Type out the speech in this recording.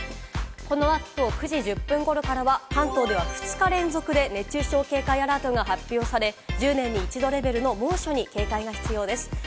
この後９時１０分頃からは、関東では２日連続で熱中症警戒アラートが発表され、１０年に一度レベルの猛暑に警戒が必要です。